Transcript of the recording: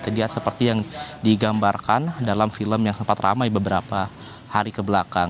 jadi seperti yang digambarkan dalam film yang sempat ramai beberapa hari kemarin